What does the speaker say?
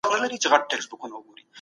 ژوند یو لوی امتحان دی.